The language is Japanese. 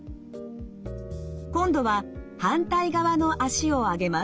今度は反対側の脚を上げます。